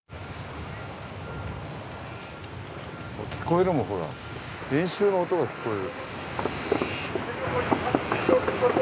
聞こえるもん、ほら、演習の音が聞こえる。